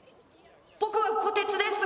「ぼくはこてつです」。